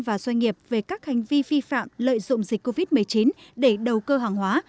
và doanh nghiệp về các hành vi vi phạm lợi dụng dịch covid một mươi chín để đầu cơ hàng hóa